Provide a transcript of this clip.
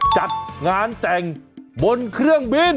จัดงานแต่งบนเครื่องบิน